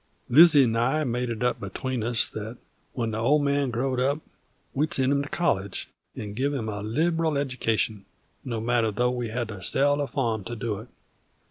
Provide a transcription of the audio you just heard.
Lizzie 'nd I made it up between us that when the Old Man growed up we'd send him to collige 'nd give him a lib'ril edication, no matter though we had to sell the farm to do it.